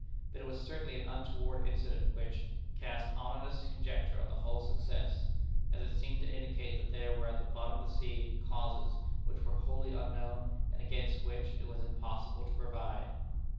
But it was certainly an untoward incident, which "cast ominous conjecture on the whole success," as it seemed to indicate that there were at the bottom of the sea causes which were wholly unknown and against which it was impossible to provide.